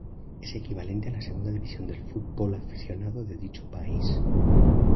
Es equivalente a la segunda división del fútbol aficionado de dicho país.